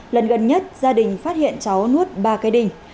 lần gần nhất gia đình phát hiện cháu nuốt ba cây đinh